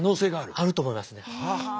あると思いますね。